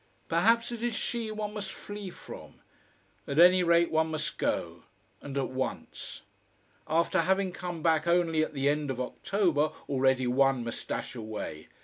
Perhaps it is she one must flee from. At any rate, one must go: and at once. After having come back only at the end of October, already one must dash away.